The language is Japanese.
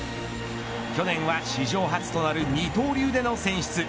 去年は史上初となる二刀流での選出。